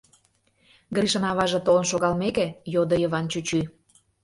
— Гришын аваже толын шогалмеке, йодо Йыван чӱчӱ.